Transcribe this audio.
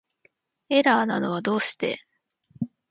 エラーなのはどうして